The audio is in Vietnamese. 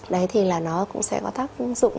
đấy thì là nó cũng sẽ có tác dụng